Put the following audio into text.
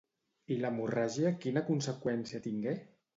I l'hemorràgia quina conseqüència tingué?